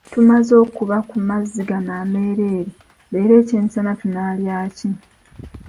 Tumaze okuba mu mazzi gano ameereere, leero eky'emisana tunaalya ki?